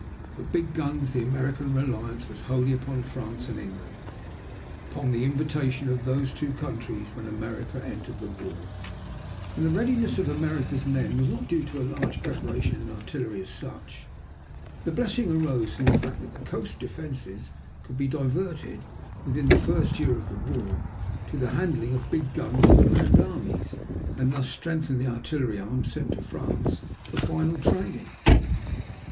For big guns, the American reliance was wholly upon France and England, upon the invitation of those two countries when America entered the war. And the readiness of America's men was not due to a large preparation in artillery as such. The blessing arose from the fact that the coast defense could be diverted, within the first year of war, to the handling of the big guns for land armies, and thus strengthen the artillery arm sent to France for final training.